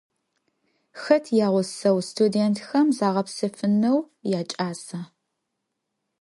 Xet yağuseu studêntxem zağepsefıneu yaç'asa?